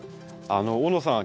小野さん